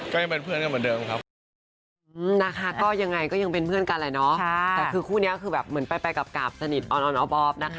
ก็ยังเป็นเพื่อนกันเหมือนเดิมครับนะคะ